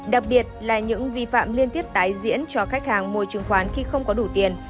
đặc biệt là những vi phạm liên tiếp tái diễn cho khách hàng mua chứng khoán khi không có đủ tiền